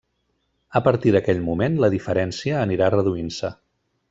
A partir d'aquell moment la diferència anirà reduint-se.